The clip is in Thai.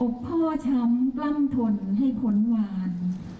พ่อช้ำกล้ำทนให้พ้นหวาน